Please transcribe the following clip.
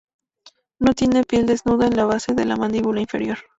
No tiene piel desnuda en la base de la mandíbula inferior.